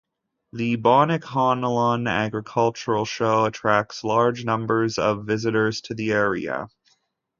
The Bonniconlon Agricultural Show attracts large numbers of visitors to the area.